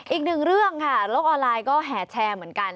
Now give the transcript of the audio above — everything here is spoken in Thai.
อีกหนึ่งเรื่องค่ะโลกออนไลน์ก็แห่แชร์เหมือนกัน